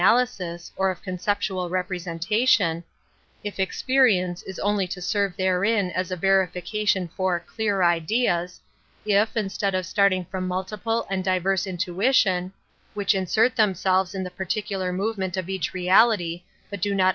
lysis or of conceptual representation, experience is only to serve therein as a verification for " clear ideas," if, instead of starting from multiple and diverse intu ition — which insert themselves in the par icular movement of each reality, hut do not